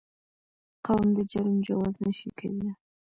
قوم د جرم جواز نه شي کېدای.